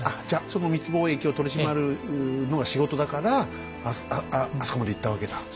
じゃその密貿易を取り締まるのが仕事だからあそこまで行ったわけだ。